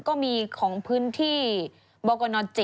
ก็มีของพื้นที่บกน๗